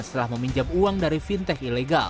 setelah meminjam uang dari fintech ilegal